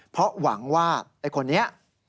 เพราะหวังว่าไอ้คนนี้